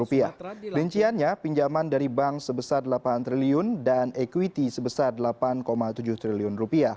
rinciannya pinjaman dari bank sebesar rp delapan triliun dan equity sebesar rp delapan tujuh triliun